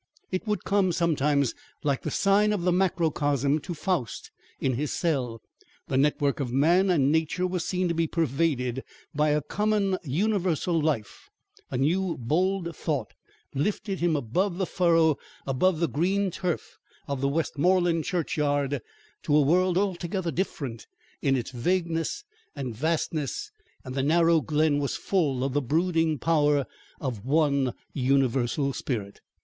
It would come, sometimes, like the sign of the macrocosm to Faust in his cell: the network of man and nature was seen to be pervaded by a common, universal life: a new, bold thought lifted him above the furrow, above the green turf of the Westmoreland churchyard, to a world altogether different in its vagueness and vastness, and the narrow glen was full of the brooding power of one universal spirit.